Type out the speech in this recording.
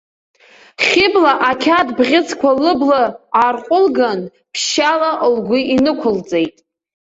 Хьыбла ақьаад бӷьыцқәа лыбла аарҟәылган, ԥшьшьала лгәы инықәылҵеит.